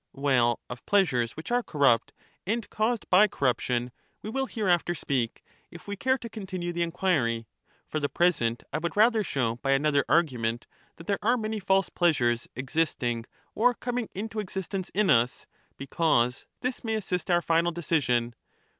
Well, of pleasures which are corrupt and caused by corruption we will hereafter speak, if we care to continue the enquiry; for the present I would rather show by another argument that there are many false pleasures existing or coming into existence in us, because this may assist our final decision.